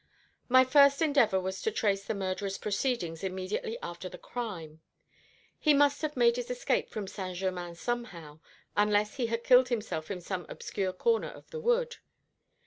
My first endeavour was to trace the murderer's proceedings immediately after the crime. He must have made his escape from Saint Germain somehow, unless he had killed himself in some obscure corner of the wood.